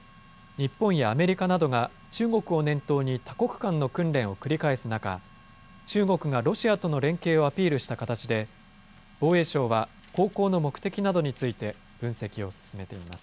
日本やアメリカなどが中国を念頭に多国間の訓練を繰り返す中、中国がロシアとの連携をアピールした形で、防衛省は航行の目的などについて分析を進めています。